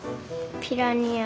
ピラニア！